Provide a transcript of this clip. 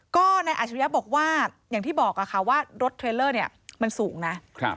ก็นายอาชริยะบอกว่าอย่างที่บอกค่ะว่ารถเทรลเลอร์เนี่ยมันสูงนะ